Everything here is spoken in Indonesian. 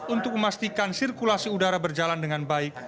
untuk memastikan sirkulasi udara berjalan dengan baik